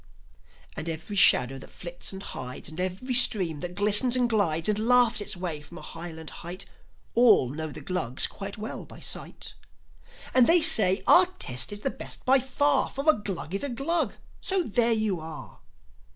And every shadow that flits and hides, And every stream that glistens and glides And laughs its way from a highland height, All know the Glugs quite well by sight. And they say, "Our test is the best by far; For a Glug is a Glug; so there you are!